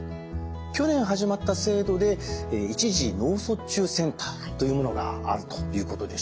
去年始まった制度で「一次脳卒中センター」というものがあるということでしたね。